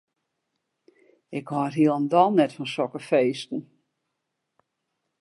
Ik hâld hielendal net fan sokke feesten.